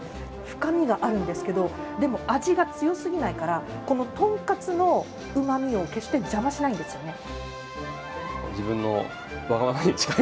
深みがあるんですけど、でも、味が強すぎないからこの豚かつのうまみを決して邪魔しないんですよね。